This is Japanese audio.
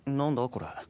これ。